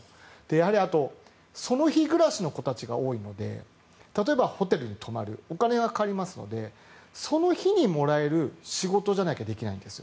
やはり、あとその日暮らしの子たちが多いので例えば、ホテルに泊まるお金がかかりますのでその日にもらえる仕事じゃなきゃできないんです。